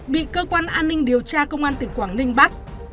bị cơ quan an ninh điều tra công an tỉnh quảng ninh bắt